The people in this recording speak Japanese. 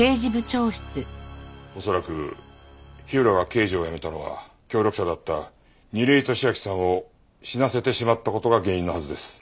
恐らく火浦が刑事を辞めたのは協力者だった楡井敏秋さんを死なせてしまった事が原因のはずです。